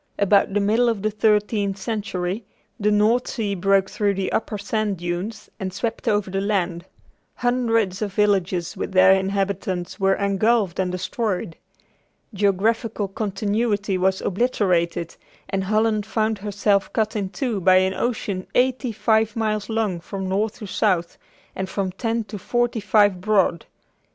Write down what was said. About the middle of the thirteenth century, the North Sea broke through the upper sand dunes and swept over the land. Hundreds of villages with their inhabitants were engulfed and destroyed. Geographical continuity was obliterated, and Holland found herself cut in two by an ocean eighty five miles long from north to south, and from ten to forty five broad.